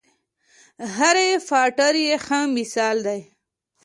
هرې پاټر یې ښه مثال دی.